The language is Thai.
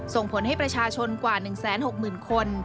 ส่งผลให้ประชาชนกว่า๑๖๐๐๐คน